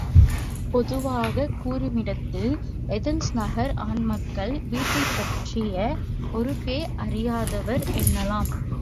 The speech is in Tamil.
பொதுவாகக் கூறுமிடத்து ஏதென்ஸ் நகர் ஆண் மக்கள் வீட்டைப்பற்றிய பொறுப்பே அறியாதவர் என்னலாம்.